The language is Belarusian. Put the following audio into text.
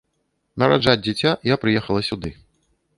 Нараджаць дзіця я прыехала сюды.